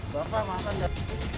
bapak makan dah